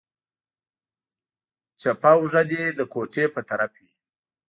چپه اوږه دې د کوټې په طرف وي.